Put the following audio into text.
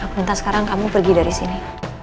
minta sekarang kamu pergi dari sini